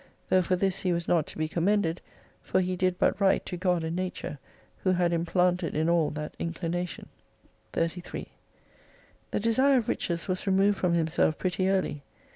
Though for ihis he was not to be commended, for he did but right \o God and Nature, who had implanted in all that inclination. 33 The desire of riches was removed from himself pretty early.